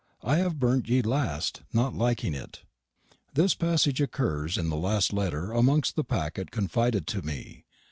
I have burnt ye laste, not likeing it." This passage occurs in the last letter, amongst the packet confided to me.